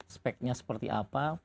speknya seperti apa